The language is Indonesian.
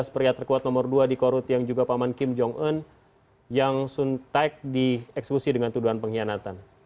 dua ribu tiga belas pria terkuat nomor dua di korut yang juga paman kim jong un yang soon thaek dieksekusi dengan tuduhan pengkhianatan